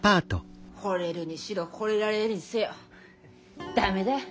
ほれるにしろほれられるにせよ駄目だよ。